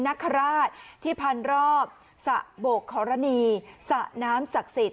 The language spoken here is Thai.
นคราชที่พันรอบสะโบกขอรณีสระน้ำศักดิ์สิทธิ